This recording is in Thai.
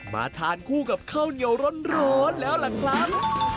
มาทานคู่กับข้าวเหนียวร้อนแล้วล่ะครับ